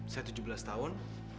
saya tujuh belas tahun